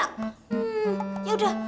hmm ya udah